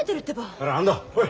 ほら安藤ほい。